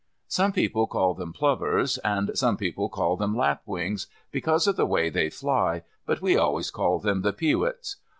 Some people call them plovers, and some people call them lapwings, because of the way they fly, but we always call them the "peewits."